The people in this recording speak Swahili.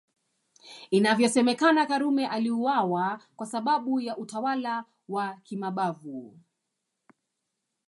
Inavyosemekana Karume aliuawa kwa sababu ya utawala wa kimabavu